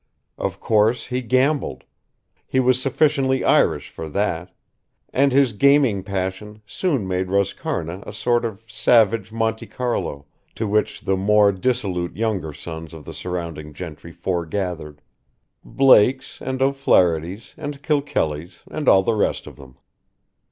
Of course he gambled. He was sufficiently Irish for that: and his gaming passion soon made Roscarna a sort of savage Monte Carlo, to which the more dissolute younger sons of the surrounding gentry foregathered: Blakes and O'fflahertys, and Kilkellys, and all the rest of them.